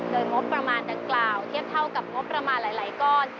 โดยงบประมาณดังกล่าวเทียบเท่ากับงบประมาณหลายก้อน